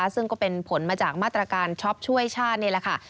ซึ่งก็เป็นผลมาจากมาตรการช็อปช่วยชาตินี่แหละค่ะ